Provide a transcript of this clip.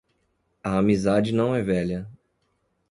A amizade não é velha.